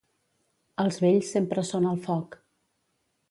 Els vells sempre són al foc.